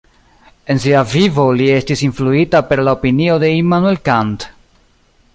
En sia vivo li estis influita per la opinio de Immanuel Kant.